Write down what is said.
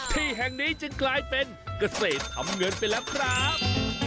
ที่แห่งนี้จึงกลายเป็นเกษตรทำเงินไปแล้วครับ